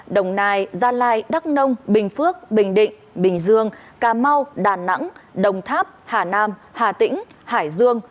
đồng nai gia lai đắk nông bình phước bình định bình dương cà mau đà nẵng đồng tháp hà nam hà tĩnh hải dương